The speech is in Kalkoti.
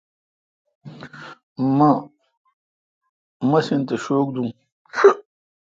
مہ مسین تھ شوک دین۔